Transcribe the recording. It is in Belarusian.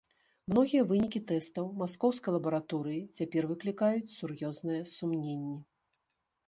Многія вынікі тэстаў маскоўскай лабараторыі цяпер выклікаюць сур'ёзныя сумненні.